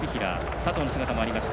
佐藤の姿もありました。